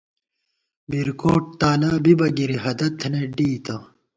بیرکوٹ تالا بِبہ گِری ، ہدَت تھنئیت ڈېئیتہ